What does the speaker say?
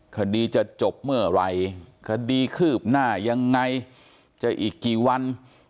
คดีจะจบเมื่อไหร่คดีคืบหน้ายังไงจะอีกกี่วัน